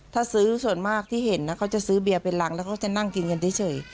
ถ้าซื้อส่วนมากที่เห็นนะเขาจะซื้อเบียร์เป็นรังแล้วเขาจะนั่งกินกันเฉย